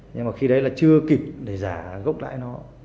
nhưng mà khi đấy là chưa kịp để giả gốc lãi nó